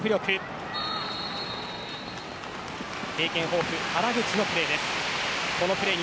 経験豊富な原口のプレー。